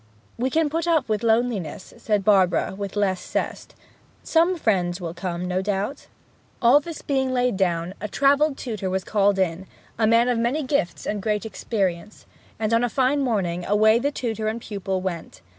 'We can put up with the loneliness,' said Barbara, with less zest. 'Some friends will come, no doubt.' All this being laid down, a travelled tutor was called in a man of many gifts and great experience, and on a fine morning away tutor and pupil went.